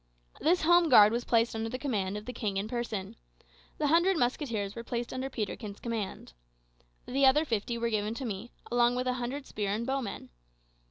This home guard was placed under command of the king in person. The hundred musketeers were placed under Peterkin's command. The other fifty were given to me, along with a hundred spear and bow men.